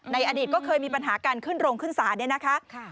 ในอดีตก็เคยมีปัญหาการขึ้นโรงขึ้นศาสตร์